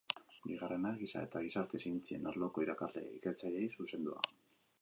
Bigarrena, Giza eta Gizarte Zientzien arloko irakasle ikertzaileei zuzendua.